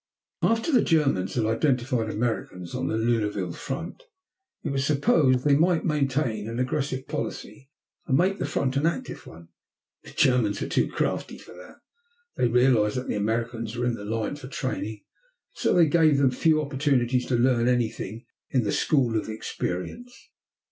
After the Germans had identified Americans on the Lunéville front it was supposed that they might maintain an aggressive policy and make the front an active one. The Germans were too crafty for that. They realized that the Americans were in the line for training, and so they gave them few opportunities to learn anything in the school of experience.